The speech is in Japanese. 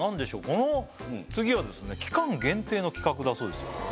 この次はですね期間限定の企画だそうですよ